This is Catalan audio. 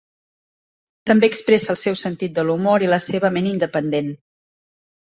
També expressa el seu sentit de l'humor i la seva ment independent.